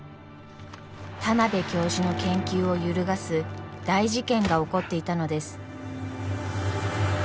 田邊教授の研究を揺るがす大事件が起こっていたのです。